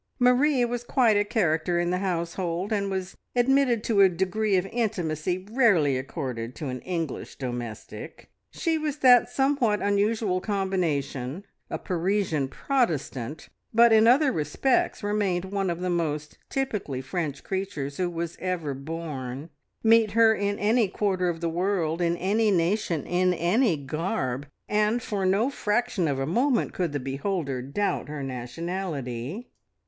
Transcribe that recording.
Marie was quite a character in the household, and was admitted to a degree of intimacy rarely accorded to an English domestic. She was that somewhat unusual combination, a Parisian Protestant, but in other respects remained one of the most typically French creatures who was ever born. Meet her in any quarter of the world, in any nation, in any garb, and for no fraction of a moment could the beholder doubt her nationality.